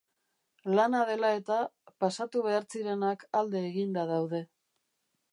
Lana dela-eta, pasatu behar zirenak alde eginda daude.